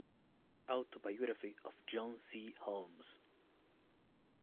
Autobiography of John C. Holmes".